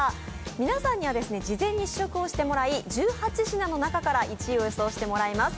皆さんには事前に試食をしてもらい、１８品の中から１位を予想してもらいます。